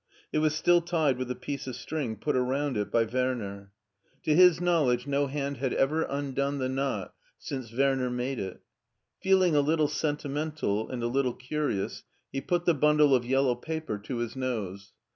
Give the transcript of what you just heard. It was still tied with the piece of string put aixmnd it by Wemen To hU knowledge SCHWARZWALD as3 no hand had ever undone the knot since Werner made it Feeling a little sentimental and a little curious, he put the bundle of yellow paper to his nose.